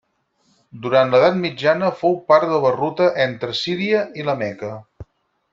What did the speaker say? Durant l'edat mitjana fou part de la ruta entre Síria i la Meca.